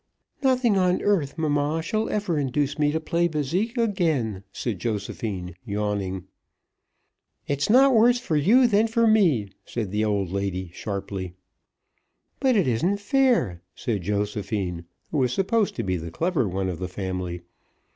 "Nothing on earth, mamma, shall ever induce me to play bésique again," said Josephine, yawning. "It's not worse for you than for me," said the old lady sharply. "But it isn't fair," said Josephine, who was supposed to be the clever one of the family.